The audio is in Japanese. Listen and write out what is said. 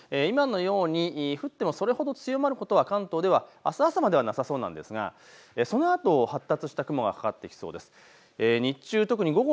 今のように降ってもそれほど強まることは関東ではあす朝まではなさそうですがそのあと発達した雲がかかってきそうです。